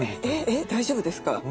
えっ大丈夫ですか？